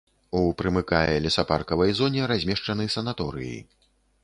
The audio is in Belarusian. У прымыкае лесапаркавай зоне размешчаны санаторыі.